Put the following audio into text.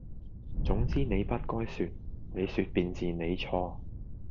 總之你不該説，你説便是你錯！」